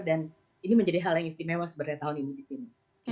dan ini menjadi hal yang istimewa sebenarnya tahun ini di sini